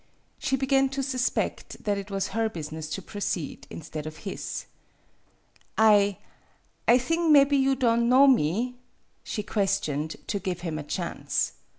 She began to suspect that it was her busi ness to proceed instead of his. "I I thing mebby you don' know me ?" she questioned, to give him a chance.